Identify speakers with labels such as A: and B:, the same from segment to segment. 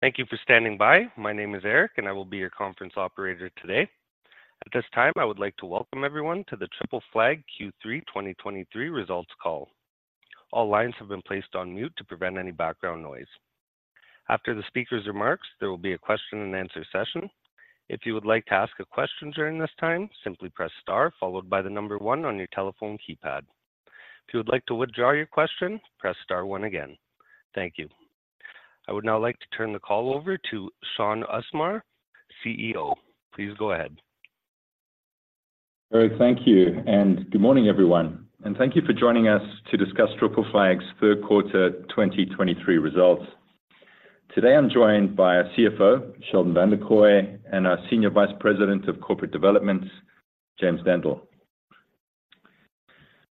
A: Thank you for standing by. My name is Eric, and I will be your conference operator today. At this time, I would like to welcome everyone to the Triple Flag Q3 2023 results call. All lines have been placed on mute to prevent any background noise. After the speaker's remarks, there will be a question and answer session. If you would like to ask a question during this time, simply press star followed by the number one on your telephone keypad. If you would like to withdraw your question, press star one again. Thank you. I would now like to turn the call over to Shaun Usmar, CEO. Please go ahead.
B: Eric, thank you, and good morning, everyone, and thank you for joining us to discuss Triple Flag's third quarter, 2023 results. Today, I'm joined by our CFO, Sheldon Vanderkooy, and our Senior Vice President of Corporate Development, James Dendle.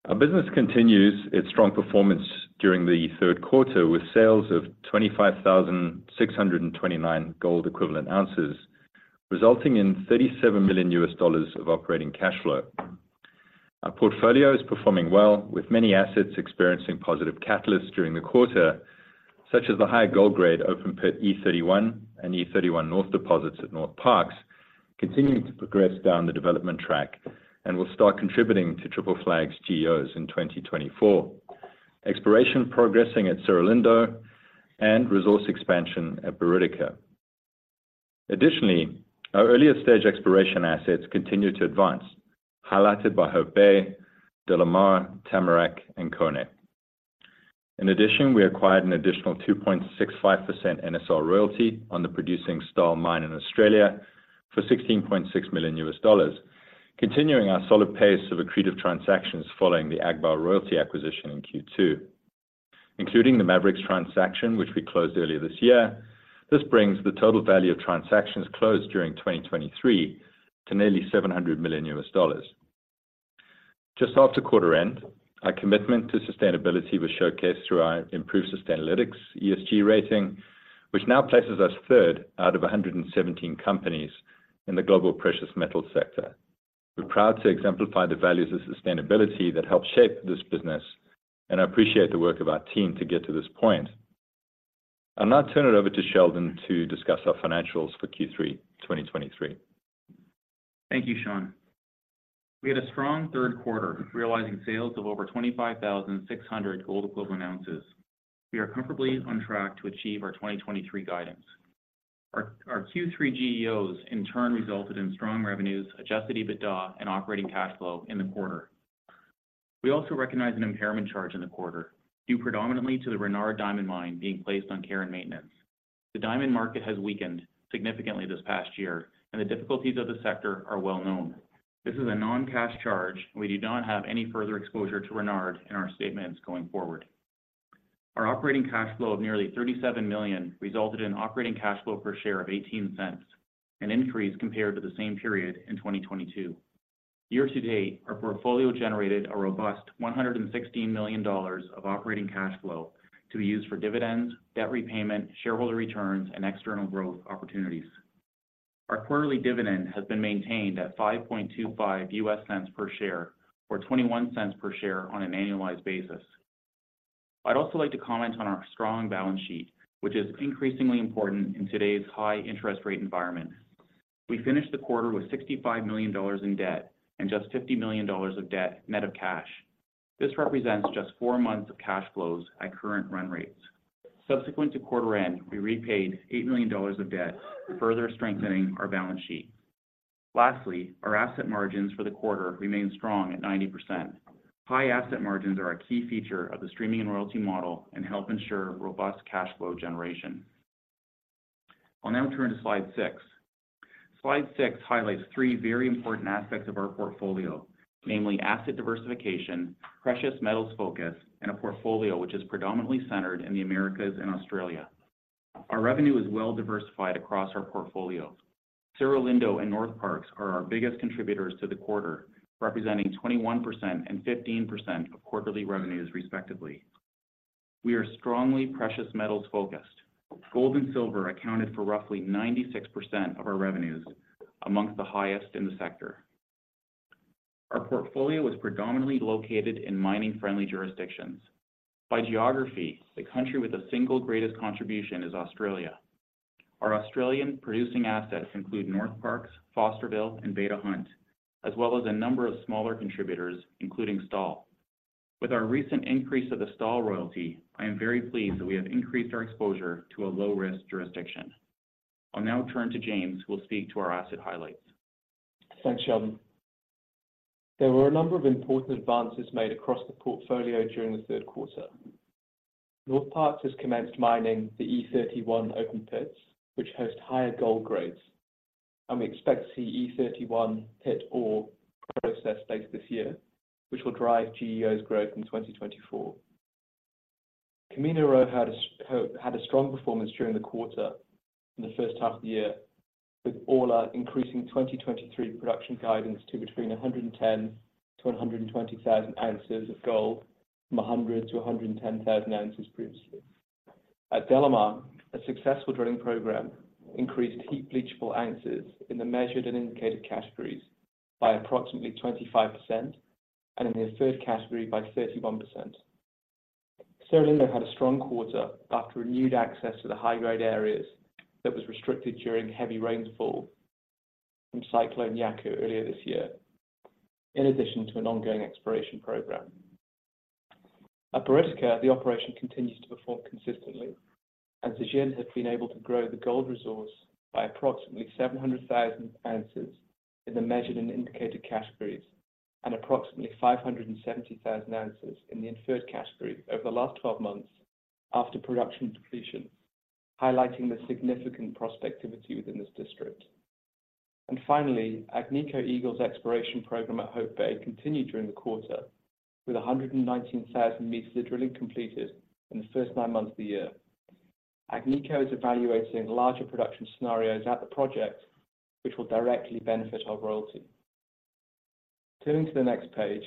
B: Our business continues its strong performance during the third quarter, with sales of 25,629 gold-equivalent ounces, resulting in $37 million of operating cash flow. Our portfolio is performing well, with many assets experiencing positive catalysts during the quarter, such as the high gold grade open pit E31 and E31 North deposits at Northparkes, continuing to progress down the development track and will start contributing to Triple Flag's GEOs in 2024. Exploration progressing at Cerro Lindo and resource expansion at Buriticá. Additionally, our earlier stage exploration assets continue to advance, highlighted by Hope Bay, Delamar, Tamarack, and Koné. In addition, we acquired an additional 2.65% NSR royalty on the producing Stawell Mine in Australia for $16.6 million, continuing our solid pace of accretive transactions following the Agbaou royalty acquisition in Q2. Including the Maverix transaction, which we closed earlier this year, this brings the total value of transactions closed during 2023 to nearly $700 million. Just after quarter end, our commitment to sustainability was showcased through our improved Sustainalytics ESG rating, which now places us 3rd out of 117 companies in the global precious metal sector. We're proud to exemplify the values of sustainability that helped shape this business, and I appreciate the work of our team to get to this point. I'll now turn it over to Sheldon to discuss our financials for Q3 2023.
C: Thank you, Shaun. We had a strong third quarter, realizing sales of over 25,600 gold-equivalent ounces. We are comfortably on track to achieve our 2023 guidance. Our Q3 GEOs in turn resulted in strong revenues, Adjusted EBITDA, and operating cash flow in the quarter. We also recognized an impairment charge in the quarter, due predominantly to the Renard Diamond Mine being placed on care and maintenance. The diamond market has weakened significantly this past year, and the difficulties of the sector are well known. This is a non-cash charge, and we do not have any further exposure to Renard in our statements going forward. Our operating cash flow of nearly $37 million resulted in operating cash flow per share of $0.18, an increase compared to the same period in 2022. Year to date, our portfolio generated a robust $116 million of operating cash flow to be used for dividends, debt repayment, shareholder returns, and external growth opportunities. Our quarterly dividend has been maintained at $0.0525 per share, or $0.21 per share on an annualized basis. I'd also like to comment on our strong balance sheet, which is increasingly important in today's high interest rate environment. We finished the quarter with $65 million in debt and just $50 million of debt net of cash. This represents just four months of cash flows at current run rates. Subsequent to quarter end, we repaid $8 million of debt, further strengthening our balance sheet. Lastly, our asset margins for the quarter remain strong at 90%. High asset margins are a key feature of the streaming and royalty model and help ensure robust cash flow generation. I'll now turn to slide six. Slide six highlights three very important aspects of our portfolio, namely asset diversification, precious metals focus, and a portfolio which is predominantly centered in the Americas and Australia. Our revenue is well diversified across our portfolios. Cerro Lindo and Northparkes are our biggest contributors to the quarter, representing 21% and 15% of quarterly revenues, respectively. We are strongly precious metals focused. Gold and silver accounted for roughly 96% of our revenues, among the highest in the sector. Our portfolio is predominantly located in mining-friendly jurisdictions. By geography, the country with the single greatest contribution is Australia. Our Australian producing assets include Northparkes, Fosterville, and Beta Hunt, as well as a number of smaller contributors, including Stawell. With our recent increase of the Stawell royalty, I am very pleased that we have increased our exposure to a low-risk jurisdiction. I'll now turn to James, who will speak to our asset highlights.
D: Thanks, Sheldon. There were a number of important advances made across the portfolio during the third quarter. Northparkes has commenced mining the E31 open pits, which host higher gold grades, and we expect to see E31 pit ore processed later this year, which will drive GEOs growth in 2024. Camino Rojo had a strong performance during the quarter and the first half of the year, with Orla increasing 2023 production guidance to between 110,000-120,000 ounces of gold from 100-110 thousand ounces previously. At Delamar, a successful drilling program increased heap leachable ounces in the measured and indicated categories by approximately 25%, and in the inferred category by 31%.... Lindo had a strong quarter after renewed access to the high-grade areas that was restricted during heavy rainfall from Cyclone Yaku earlier this year, in addition to an ongoing exploration program. At Buriticá, the operation continues to perform consistently, and Zijin has been able to grow the gold resource by approximately 700,000 ounces in the measured and indicated categories, and approximately 570,000 ounces in the inferred category over the last 12 months after production completion, highlighting the significant prospectivity within this district. And finally, Agnico Eagle's exploration program at Hope Bay continued during the quarter, with 119,000 meters of drilling completed in the first 9 months of the year. Agnico is evaluating larger production scenarios at the project, which will directly benefit our royalty. Turning to the next page,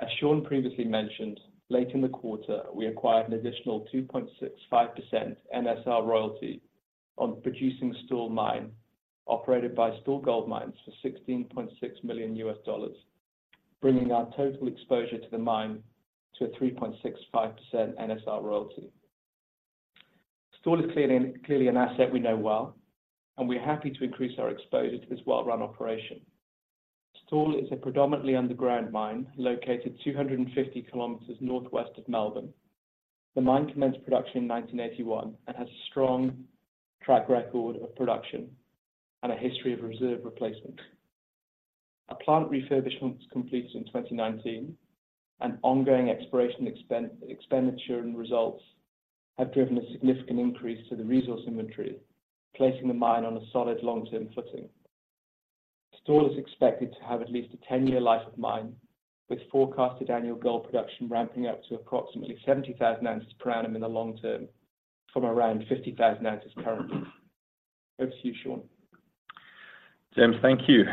D: as Shaun previously mentioned, late in the quarter, we acquired an additional 2.65% NSR royalty on producing Stawell Mine, operated by Stawell Gold Mines for $16.6 million, bringing our total exposure to the mine to a 3.65% NSR royalty. Stawell is clearly, clearly an asset we know well, and we're happy to increase our exposure to this well-run operation. Stawell is a predominantly underground mine, located 250 km northwest of Melbourne. The mine commenced production in 1981 and has a strong track record of production and a history of reserve replacement. A plant refurbishment was completed in 2019, and ongoing exploration expenditure and results have driven a significant increase to the resource inventory, placing the mine on a solid long-term footing. Stawell is expected to have at least a 10-year life of mine, with forecasted annual gold production ramping up to approximately 70,000 ounces per annum in the long term, from around 50,000 ounces currently. Over to you, Shaun.
B: James, thank you.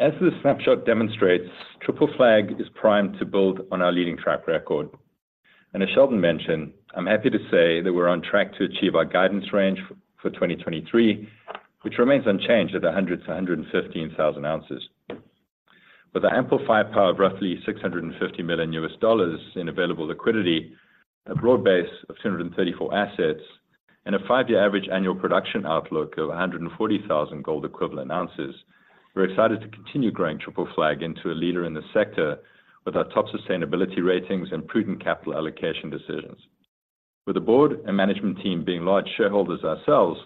B: As the snapshot demonstrates, Triple Flag is primed to build on our leading track record. And as Sheldon mentioned, I'm happy to say that we're on track to achieve our guidance range for 2023, which remains unchanged at 100,000-115,000 ounces. With the amplified power of roughly $650 million in available liquidity, a broad base of 234 assets, and a five-year average annual production outlook of 140,000 gold-equivalent ounces, we're excited to continue growing Triple Flag into a leader in the sector with our top sustainability ratings and prudent capital allocation decisions. With the board and management team being large shareholders ourselves,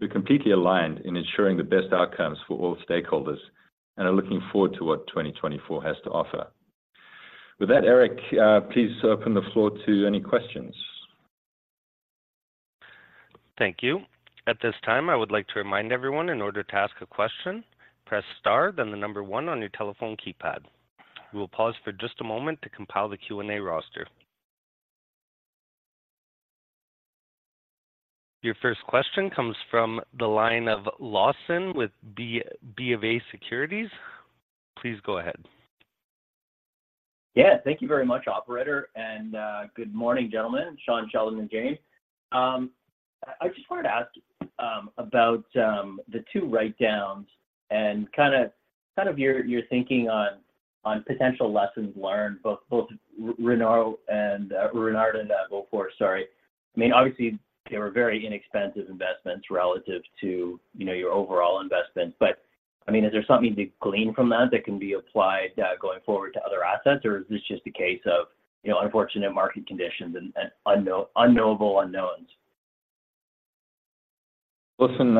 B: we're completely aligned in ensuring the best outcomes for all stakeholders and are looking forward to what 2024 has to offer. With that, Eric, please open the floor to any questions.
A: Thank you. At this time, I would like to remind everyone, in order to ask a question, press Star, then the number 1 on your telephone keypad. We will pause for just a moment to compile the Q&A roster. Your first question comes from the line of Lawson with BofA Securities. Please go ahead.
E: Yeah, thank you very much, operator, and good morning, gentlemen, Shaun, Sheldon, and James. I just wanted to ask about the two writedowns and kind of your thinking on potential lessons learned, both Renard and Beaufor, sorry. I mean, obviously, they were very inexpensive investments relative to, you know, your overall investment. But, I mean, is there something to glean from that that can be applied going forward to other assets? Or is this just a case of, you know, unfortunate market conditions and unknowable unknowns?
B: Lawson,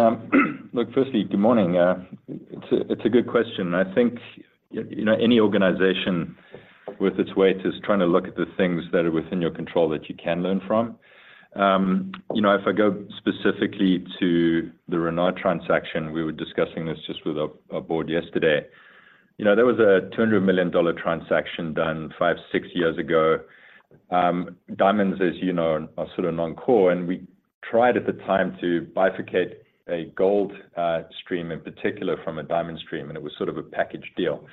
B: look, firstly, good morning. It's a, it's a good question. I think, you, you know, any organization with its weight is trying to look at the things that are within your control that you can learn from. You know, if I go specifically to the Renard transaction, we were discussing this just with our, our board yesterday. You know, that was a $200 million transaction done five, six years ago. Diamonds, as you know, are sort of non-core, and we tried at the time to bifurcate a gold stream, in particular, from a diamond stream, and it was sort of a package deal.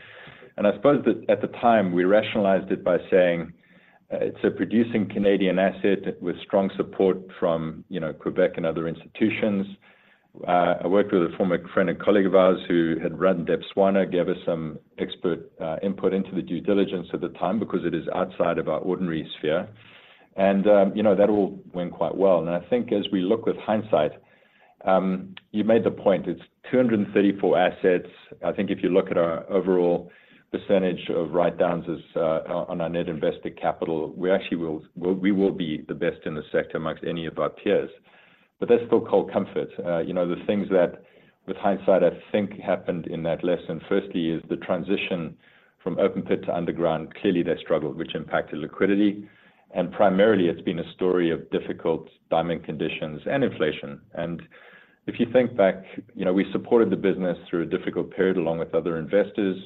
B: I suppose that at the time, we rationalized it by saying, "it's a producing Canadian asset with strong support from, you know, Quebec and other institutions." I worked with a former friend and colleague of ours who had run Debswana, gave us some expert input into the due diligence at the time, because it is outside of our ordinary sphere. You know, that all went quite well. And I think as we look with hindsight, you made the point, it's 234 assets. I think if you look at our overall percentage of writedowns as on our net invested capital, we actually will, we will be the best in the sector amongst any of our peers. But that's still cold comfort. You know, the things that with hindsight, I think happened in that lesson, firstly, is the transition from open pit to underground. Clearly, they struggled, which impacted liquidity, and primarily, it's been a story of difficult diamond conditions and inflation. And if you think back, you know, we supported the business through a difficult period, along with other investors,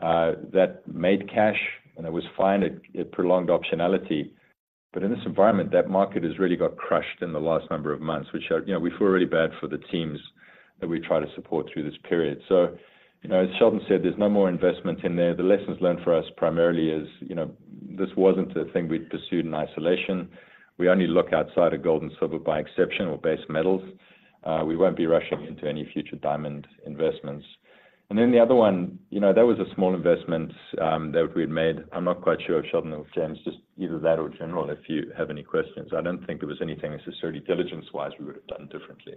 B: that made cash, and it was fine. It prolonged optionality. But in this environment, that market has really got crushed in the last number of months, which are-- you know, we feel really bad for the teams that we try to support through this period. So, you know, as Sheldon said, there's no more investment in there. The lessons learned for us primarily is, you know, this wasn't a thing we'd pursued in isolation. We only look outside of gold and silver by exception or base metals. We won't be rushing into any future diamond investments. And then the other one, you know, that was a small investment that we had made. I'm not quite sure if Sheldon or James, just either that or general, if you have any questions. I don't think there was anything necessarily diligence-wise we would have done differently.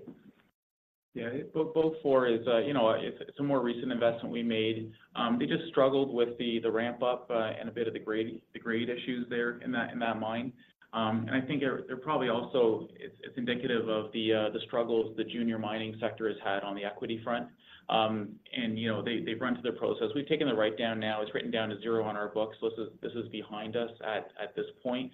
C: Yeah. But Beaufor is, you know, it's a more recent investment we made. They just struggled with the ramp up, and a bit of the grade issues there in that mine. And I think they're probably also, it's indicative of the struggles the junior mining sector has had on the equity front. And, you know, they, they've run through the process. We've taken the write down now, it's written down to zero on our books. So this is behind us at this point.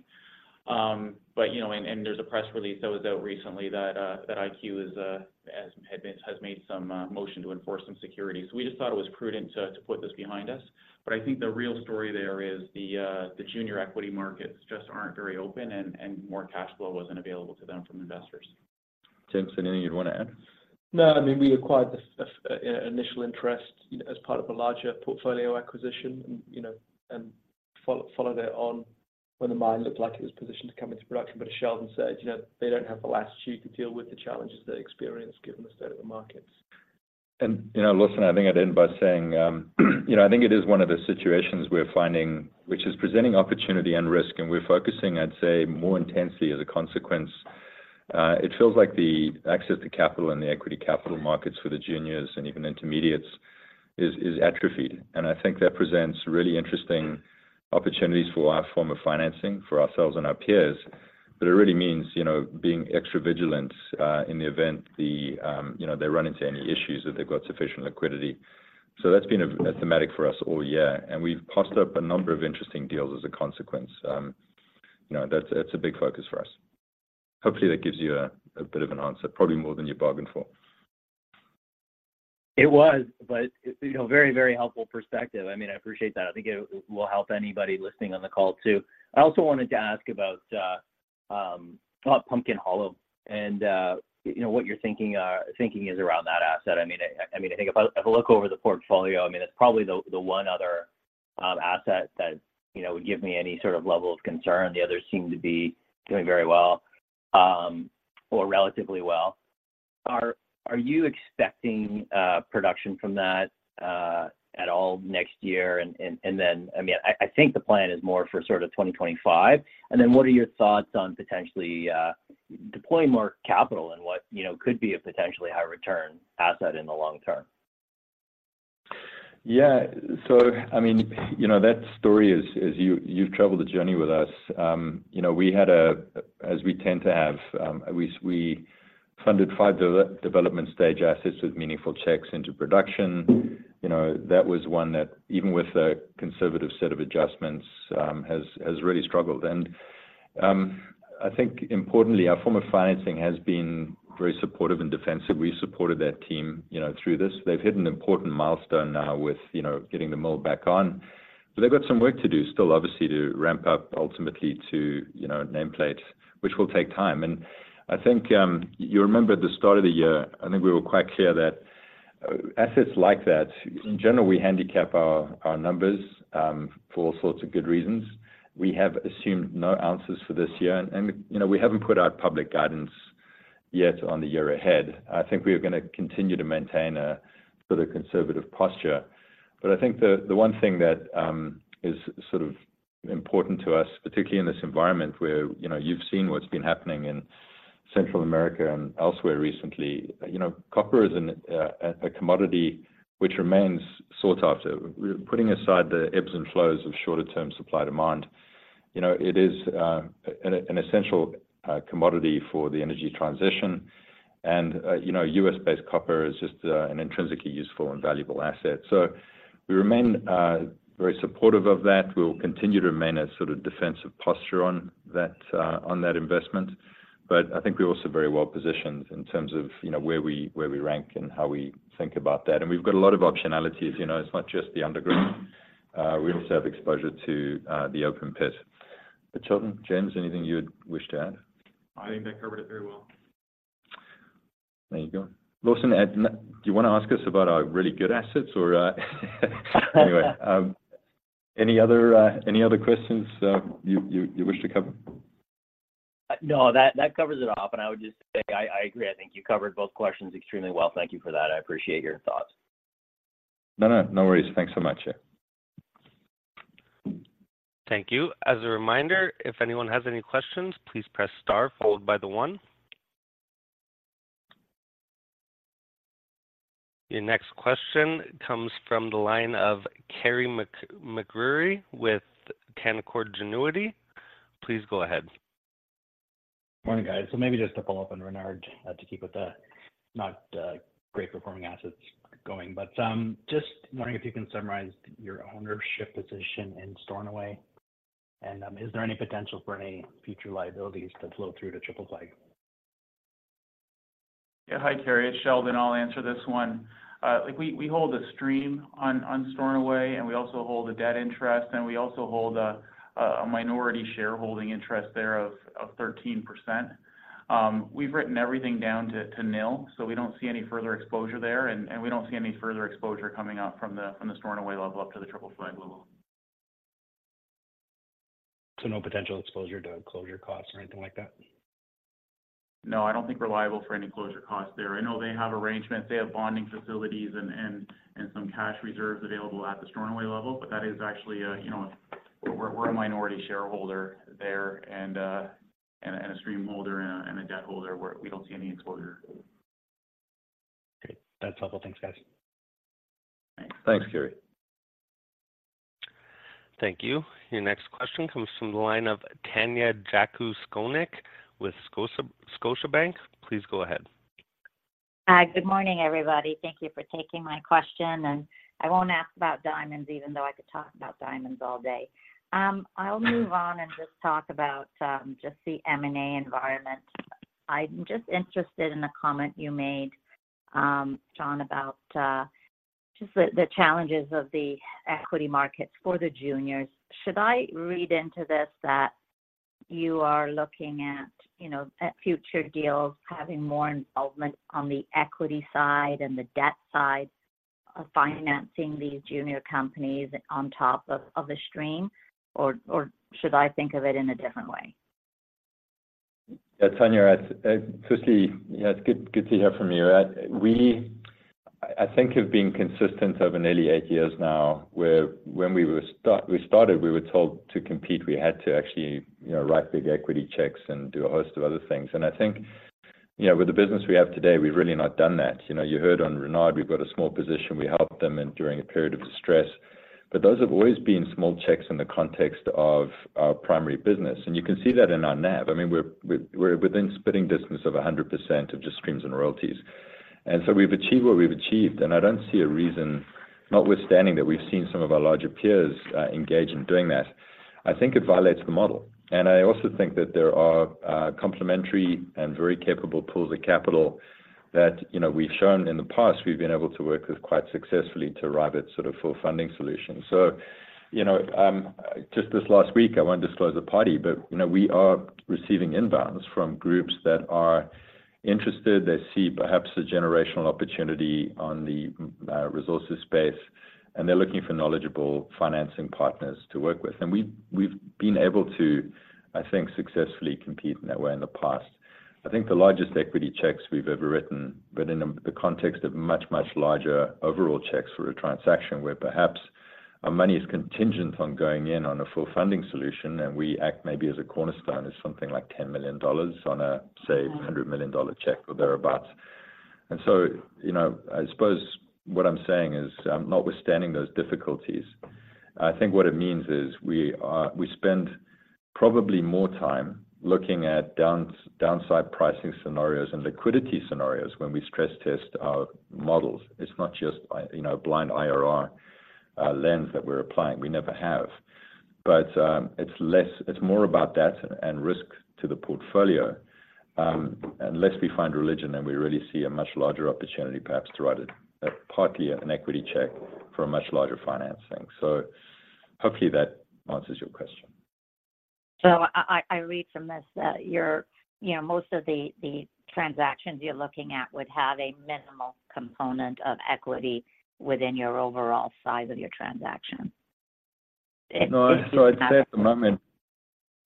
C: But, you know, and there's a press release that was out recently that IQ has made some motion to enforce some security. So we just thought it was prudent to put this behind us. But I think the real story there is the junior equity markets just aren't very open, and more cash flow wasn't available to them from investors.
B: James, anything you'd want to add?
D: No. I mean, we acquired this initial interest, you know, as part of a larger portfolio acquisition, and, you know, followed it on when the mine looked like it was positioned to come into production. But as Sheldon said, you know, they don't have the latitude to deal with the challenges they experienced, given the state of the markets.
B: You know, Lawson, I think I'd end by saying, you know, I think it is one of those situations we're finding, which is presenting opportunity and risk, and we're focusing, I'd say, more intensely as a consequence. It feels like the access to capital and the equity capital markets for the juniors and even intermediates is atrophied, and I think that presents really interesting opportunities for our form of financing for ourselves and our peers. But it really means, you know, being extra vigilant, in the event the, you know, they run into any issues, that they've got sufficient liquidity. So that's been a thematic for us all year, and we've posted up a number of interesting deals as a consequence. You know, that's a big focus for us. Hopefully, that gives you a bit of an answer, probably more than you bargained for.
E: It was, but you know, very, very helpful perspective. I mean, I appreciate that. I think it will help anybody listening on the call, too. I also wanted to ask about Pumpkin Hollow and you know, what you're thinking is around that asset. I mean, I mean, I think if I look over the portfolio, I mean, that's probably the one other asset that you know, would give me any sort of level of concern. The others seem to be doing very well or relatively well. Are you expecting production from that at all next year? And then... I mean, I think the plan is more for sort of 2025. And then, what are your thoughts on potentially, deploying more capital and what, you know, could be a potentially high return asset in the long term?
B: Yeah. So, I mean, you know, that story is, is you, you've traveled the journey with us. You know, we had, as we tend to have, we funded five development stage assets with meaningful checks into production. You know, that was one that, even with a conservative set of adjustments, has really struggled. And, I think importantly, our form of financing has been very supportive and defensive. We supported that team, you know, through this. They've hit an important milestone now with, you know, getting the mill back on. But they've got some work to do still, obviously, to ramp up ultimately to, you know, nameplate, which will take time. I think you remember at the start of the year, I think we were quite clear that assets like that, in general, we handicap our numbers for all sorts of good reasons. We have assumed no ounces for this year, and you know, we haven't put out public guidance yet on the year ahead. I think we are gonna continue to maintain a sort of conservative posture. But I think the one thing that is sort of important to us, particularly in this environment where, you know, you've seen what's been happening in Central America and elsewhere recently. You know, copper is a commodity which remains sought after. Putting aside the ebbs and flows of shorter-term supply, demand, you know, it is an essential commodity for the energy transition. You know, US-based copper is just an intrinsically useful and valuable asset. So we remain very supportive of that. We'll continue to remain a sort of defensive posture on that, on that investment. But I think we're also very well positioned in terms of, you know, where we rank and how we think about that. And we've got a lot of optionalities, you know, it's not just the underground. We also have exposure to the open pit. But Sheldon, James, anything you would wish to add?
C: I think that covered it very well.
B: There you go. Lawson, do you wanna ask us about our really good assets or, anyway, any other questions you wish to cover?
E: No, that covers it off. And I would just say I agree. I think you covered both questions extremely well. Thank you for that. I appreciate your thoughts.
B: No, no, no worries. Thanks so much. Yeah.
A: Thank you. As a reminder, if anyone has any questions, please press star followed by the one. Your next question comes from the line of Carey MacRury with Canaccord Genuity. Please go ahead.
F: Morning, guys. So maybe just to follow up on Renard, to keep with the not great performing assets going, but just wondering if you can summarize your ownership position in Stornoway, and is there any potential for any future liabilities to flow through to Triple Flag?
C: Yeah. Hi, Carey, it's Sheldon. I'll answer this one. Like we hold a stream on Stornoway, and we also hold a debt interest, and we also hold a minority shareholding interest there of 13%. We've written everything down to nil, so we don't see any further exposure there, and we don't see any further exposure coming out from the Stornoway level up to the Triple Flag level....
G: So no potential exposure to closure costs or anything like that?
C: No, I don't think we're liable for any closure costs there. I know they have arrangements, they have bonding facilities and some cash reserves available at the Stornoway level, but that is actually, you know, we're a minority shareholder there, and a stream holder and a debt holder, where we don't see any exposure.
A: Great. That's helpful. Thanks, guys.
C: Thanks, Carey.
A: Thank you. Your next question comes from the line of Tanya Jakusconek with Scotiabank. Please go ahead.
H: Hi. Good morning, everybody. Thank you for taking my question, and I won't ask about diamonds, even though I could talk about diamonds all day. I'll move on and just talk about just the M&A environment. I'm just interested in the comment you made, Shaun, about just the challenges of the equity markets for the juniors. Should I read into this that you are looking at, you know, at future deals, having more involvement on the equity side and the debt side of financing these junior companies on top of the stream? Or should I think of it in a different way?
B: Yeah, Tanya, firstly, yeah, it's good, good to hear from you. We, I think, have been consistent over nearly eight years now, where when we started, we were told to compete, we had to actually, you know, write big equity checks and do a host of other things. And I think, you know, with the business we have today, we've really not done that. You know, you heard on Renard, we've got a small position. We helped them in during a period of distress, but those have always been small checks in the context of our primary business, and you can see that in our NAV. I mean, we're within spitting distance of 100% of just streams and royalties. And so we've achieved what we've achieved, and I don't see a reason, notwithstanding that we've seen some of our larger peers engage in doing that. I think it violates the model, and I also think that there are complementary and very capable pools of capital that, you know, we've shown in the past, we've been able to work with quite successfully to arrive at sort of full funding solution. So, you know, just this last week, I won't disclose the party, but, you know, we are receiving inbounds from groups that are interested. They see perhaps a generational opportunity on the resources space, and they're looking for knowledgeable financing partners to work with. And we've been able to, I think, successfully compete in that way in the past. I think the largest equity checks we've ever written, but in the context of much, much larger overall checks for a transaction, where perhaps our money is contingent on going in on a full funding solution, and we act maybe as a cornerstone, is something like $10 million on a, say, $100 million check or thereabout. So, you know, I suppose what I'm saying is, notwithstanding those difficulties, I think what it means is we are—we spend probably more time looking at downside pricing scenarios and liquidity scenarios when we stress test our models. It's not just, you know, blind IRR lens that we're applying. We never have. But, it's less—it's more about debt and risk to the portfolio, unless we find religion, and we really see a much larger opportunity perhaps to write a, a partly an equity check for a much larger financing. So hopefully that answers your question.
H: So I read from this that you're, you know, most of the transactions you're looking at would have a minimal component of equity within your overall size of your transaction?
B: No. So I'd say at the moment...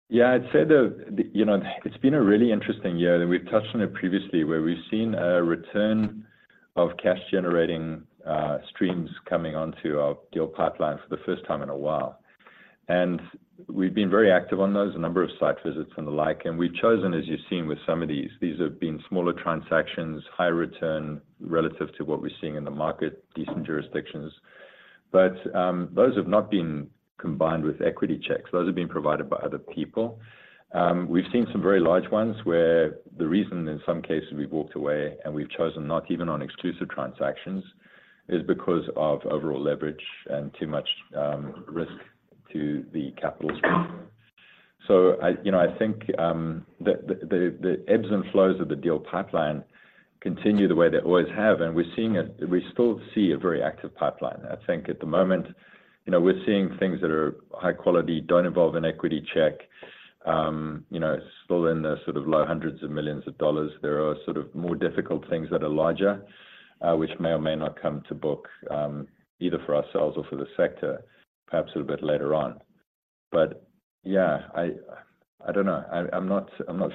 B: Yeah, I'd say the you know, it's been a really interesting year, and we've touched on it previously, where we've seen a return of cash generating streams coming onto our deal pipeline for the first time in a while. And we've been very active on those, a number of site visits and the like, and we've chosen, as you've seen with some of these, these have been smaller transactions, high return relative to what we're seeing in the market, decent jurisdictions. But those have not been combined with equity checks. Those have been provided by other people. We've seen some very large ones where the reason, in some cases, we've walked away and we've chosen not even on exclusive transactions, is because of overall leverage and too much risk to the capital spend. So I, you know, I think the ebbs and flows of the deal pipeline continue the way they always have, and we're still seeing a very active pipeline. I think at the moment, you know, we're seeing things that are high quality, don't involve an equity check, you know, still in the sort of low hundreds of millions of dollars. There are sort of more difficult things that are larger, which may or may not come to book, either for ourselves or for the sector, perhaps a little bit later on. But yeah, I don't know. I'm not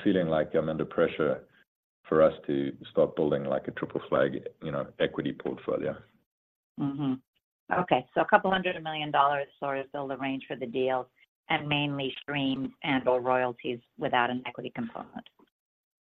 B: feeling like I'm under pressure for us to start building like a Triple Flag, you know, equity portfolio.
H: Mm-hmm. Okay, so $200 million sort of build a range for the deal, and mainly streams and/or royalties without an equity component?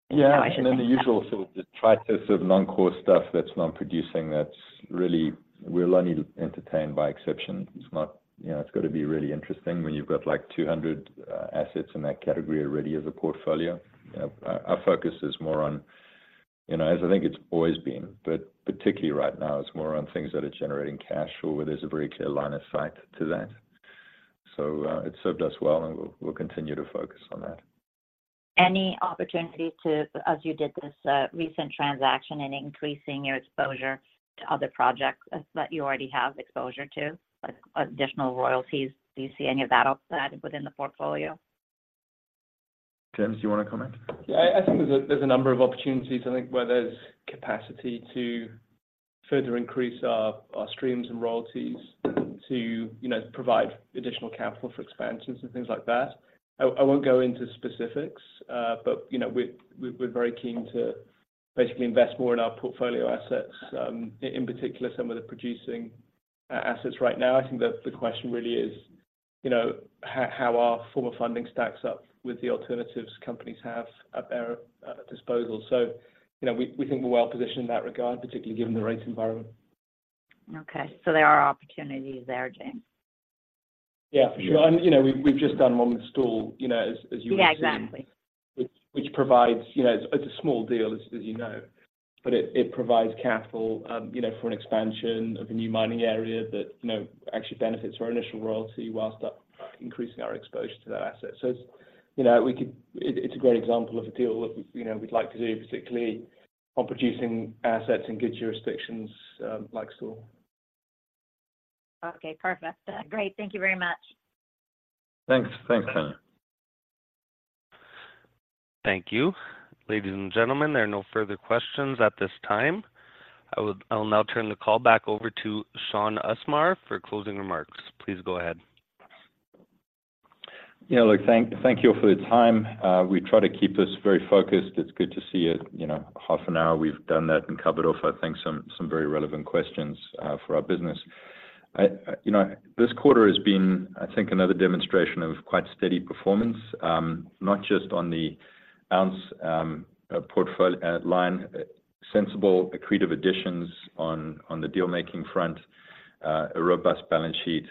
B: Yeah.
H: I think that.
B: And then the usual sort of the trifecta of non-core stuff that's non-producing, that's really... We'll only entertain by exception. It's not, you know, it's got to be really interesting when you've got, like, 200 assets in that category already as a portfolio. You know, our focus is more on, you know, as I think it's always been, but particularly right now, it's more on things that are generating cash or where there's a very clear line of sight to that. So, it served us well, and we'll continue to focus on that.
H: Any opportunity to, as you did this recent transaction in increasing your exposure to other projects that you already have exposure to, like additional royalties? Do you see any of that added within the portfolio?...
B: James, do you want to comment?
D: Yeah, I think there's a number of opportunities, I think, where there's capacity to further increase our streams and royalties to, you know, provide additional capital for expansions and things like that. I won't go into specifics, but, you know, we're very keen to basically invest more in our portfolio assets, in particular, some of the producing assets right now. I think the question really is, you know, how our form of funding stacks up with the alternatives companies have at their disposal. So, you know, we think we're well positioned in that regard, particularly given the rate environment.
H: Okay. So there are opportunities there, James?
D: Yeah, for sure. You know, we've just done one with Stawell, you know, as you would see.
H: Yeah, exactly.
D: Which provides, you know, it's a small deal, as you know, but it provides capital, you know, for an expansion of a new mining area that, you know, actually benefits our initial royalty while increasing our exposure to that asset. So it's, you know... It's a great example of a deal that, you know, we'd like to do, particularly on producing assets in good jurisdictions, like Stawell.
H: Okay, perfect. Great. Thank you very much.
B: Thanks. Thanks, Tanya.
A: Thank you. Ladies and gentlemen, there are no further questions at this time. I'll now turn the call back over to Shaun Usmar for closing remarks. Please go ahead.
B: Yeah, look, thank you all for your time. We try to keep this very focused. It's good to see it, you know, half an hour, we've done that and covered off, I think, some very relevant questions for our business. You know, this quarter has been, I think, another demonstration of quite steady performance, not just on the ounce portfolio line, sensible accretive additions on the deal-making front, a robust balance sheet.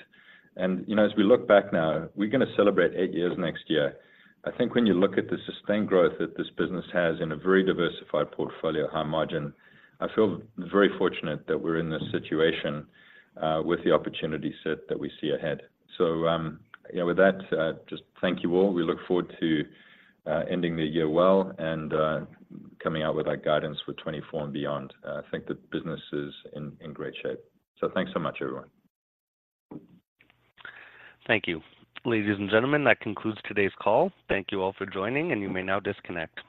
B: You know, as we look back now, we're gonna celebrate eight years next year. I think when you look at the sustained growth that this business has in a very diversified portfolio, high margin, I feel very fortunate that we're in this situation with the opportunity set that we see ahead. So, yeah, with that, just thank you all. We look forward to ending the year well and coming out with our guidance for 2024 and beyond. I think the business is in great shape. So thanks so much, everyone.
A: Thank you. Ladies and gentlemen, that concludes today's call. Thank you all for joining, and you may now disconnect.